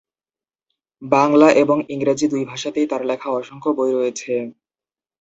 বাংলা এবং ইংরেজি দুই ভাষাতেই তার লেখা অসংখ্য বই রয়েছে।